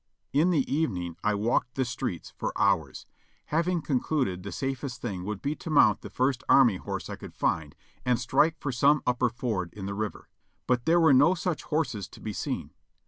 In the evening I walked the streets for hours, having concluded the safest thing would be to mount the first army horse I could find and strike for some upper ford in the river ; but there were no such horses to be seen.